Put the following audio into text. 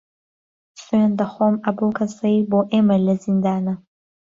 سوێند دەخۆم ئە بەو کەسەی بۆ ئێمە لە زیندانە